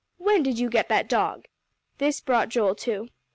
"When did you get that dog?" This brought Joel to.